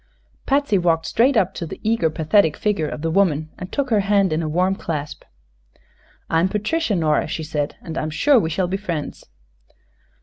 Patsy walked straight up to the eager, pathetic figure of the woman and took her hand in a warm clasp. "I'm Patricia, Nora," she said, "and I'm sure we shall be friends."